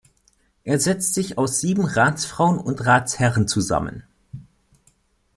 Er setzt sich aus sieben Ratsfrauen und Ratsherren zusammen.